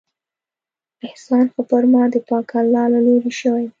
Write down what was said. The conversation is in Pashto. احسان خو پر ما د پاک الله له لورې شوى دى.